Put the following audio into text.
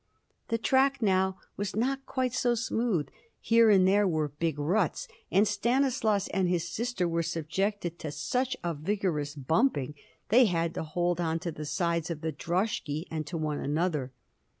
The track now was not quite so smooth; here and there were big ruts, and Stanislaus and his sister were subjected to such a vigorous bumping that they had to hold on to the sides of the droshky, and to one another.